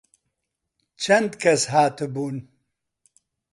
چەند کەس هاتبوون؟